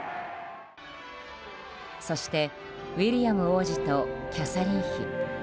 そしてウィリアム王子とキャサリン妃。